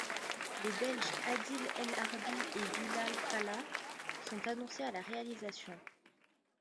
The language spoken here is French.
Les Belges Adil El Arbi et Bilall Fallah sont annoncés à la réalisation.